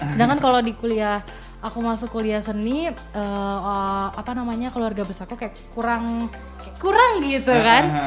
sedangkan kalau di kuliah aku masuk kuliah seni keluarga besarku kayak kurang gitu kan